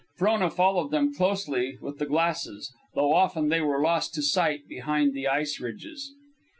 Frona followed them closely with the glasses, though often they were lost to sight behind the ice ridges.